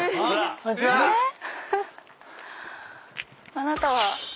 「あなたは」